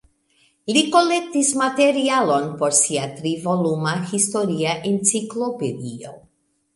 Li kolektis materialon por sia tri voluma historia enciklopedio.